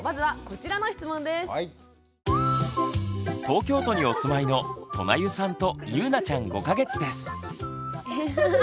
東京都にお住まいのとなゆさんとゆうなちゃん５か月です。